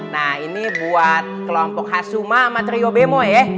nah ini buat kelompok hasuma sama trio bemo ya